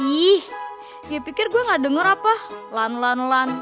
ih ya pikir gue nggak denger apa lan lan lan